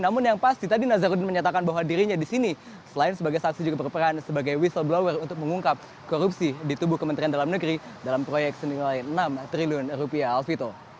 namun yang pasti tadi nazarudin menyatakan bahwa dirinya di sini selain sebagai saksi juga berperan sebagai whistleblower untuk mengungkap korupsi di tubuh kementerian dalam negeri dalam proyek senilai enam triliun rupiah alfito